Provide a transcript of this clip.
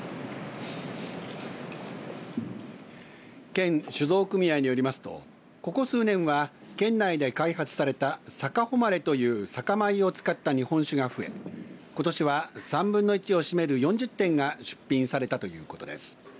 県酒造組合によりますとここ数年は県内で開発されたさかほまれという酒米を使った日本酒が増えことしは３分の１を占める４０点が出品されたということです。